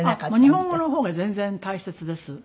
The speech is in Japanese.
日本語の方が全然大切です。